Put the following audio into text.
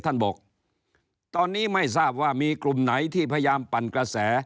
บอกตอนนี้ไม่ทราบว่ามีกลุ่มไหนที่พยายามปั่นกระแส